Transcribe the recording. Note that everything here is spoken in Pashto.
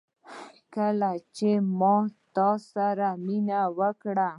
کله چي ما ستا سره مينه وکړه